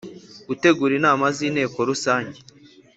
Gutegura Inama z inteko rusange